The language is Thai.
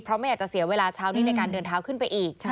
เพราะไม่อยากจะเสียเวลาเช้านี้ในการเดินเท้าขึ้นไปอีก